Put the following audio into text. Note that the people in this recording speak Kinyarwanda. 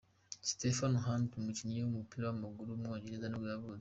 Stephen Hunt, umukinnyi w’umupira w’amaguru w’umwongereza nibwo yavutse.